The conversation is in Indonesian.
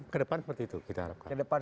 ke depan seperti itu kita harapkan